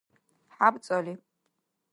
хӀябцӀали